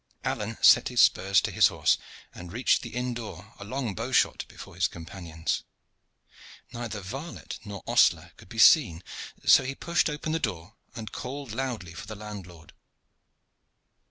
Alleyne set spurs to his horse and reached the inn door a long bow shot before his companions. Neither varlet nor ostler could be seen, so he pushed open the door and called loudly for the landlord.